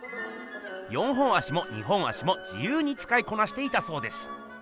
４本足も２本足も自ゆうにつかいこなしていたそうです。